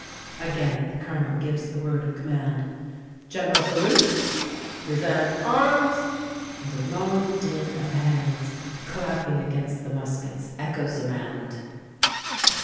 Again the Colonel gives the word of command—"General salute! Present arms!"—and a long din of hands clapping against the muskets echoes around.